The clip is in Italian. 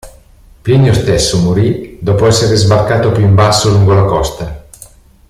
Plinio stesso morì dopo essere sbarcato più in basso lungo la costa.